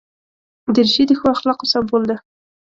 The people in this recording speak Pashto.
دریشي د ښو اخلاقو سمبول ده.